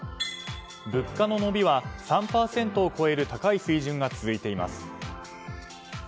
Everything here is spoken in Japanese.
物価の伸びは３％を超える高い水準が続いています。